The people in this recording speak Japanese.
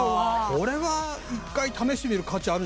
これは１回試してみる価値あるんじゃない？